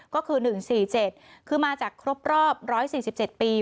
ก็คือ๑๔๗คือมาจากครบรอบ๑๔๗ปี